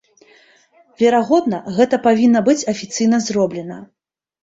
Верагодна, гэта павінна быць афіцыйна зроблена.